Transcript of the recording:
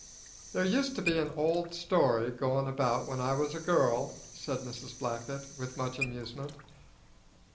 "There used to be an old story goin' about when I was a girl," said Mrs. Blackett, with much amusement.